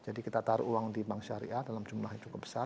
jadi kita taruh uang di bank syariah dalam jumlah yang cukup besar